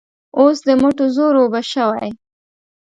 اوس د مټو زور اوبه شوی.